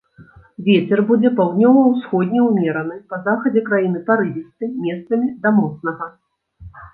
Вецер будзе паўднёва-ўсходні ўмераны, па захадзе краіны парывісты, месцамі да моцнага.